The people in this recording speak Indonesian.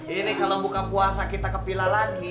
ini kalau buka puasa kita kepila lagi